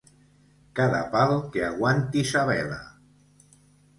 Cada pal que aguanti sa vela.